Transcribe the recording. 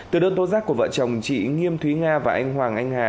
từ đơn tố giác của vợ chồng chị nghiêm thúy nga và anh hoàng anh hà